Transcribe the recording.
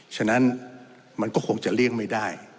ฉะนั้นมันก็คงจะเลี่ยงไม่ได้